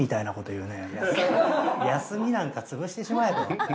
休みなんか潰してしまえと。